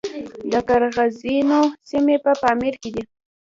د قرغیزانو سیمې په پامیر کې دي